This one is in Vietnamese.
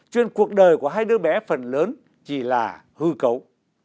cho nên cuộc đời của hai đứa bé phần lớn chỉ là hư cấu